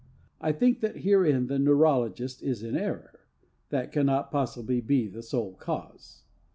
I think that herein the neurologist is in error. That cannot possibly be the sole cause.